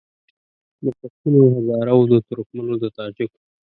د پښتون او هزاره وو د ترکمنو د تاجکو